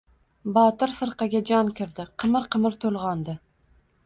Botir firqaga... jon kirdi! Qimir-qimir to‘lg‘ondi.